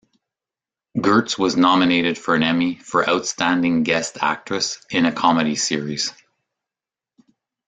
Gertz was nominated for an Emmy for Outstanding Guest Actress in a Comedy Series.